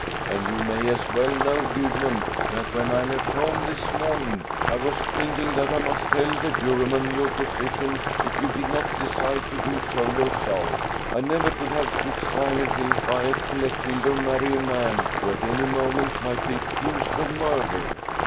"And you may as well know, Gudmund, that when I left home this morning I was thinking that I must tell the Juryman your position if you did not decide to do so yourself. I never could have stood silently by and let Hildur marry a man who at any moment might be accused of murder."